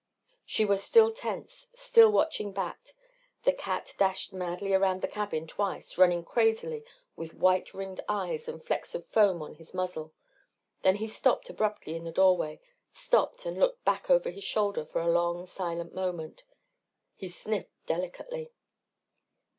_" She was still tense, still watching Bat. The cat dashed madly around the cabin twice, running crazily with white ringed eyes and flecks of foam on his muzzle. Then he stopped abruptly in the doorway, stopped and looked back over his shoulder for a long silent moment. He sniffed delicately.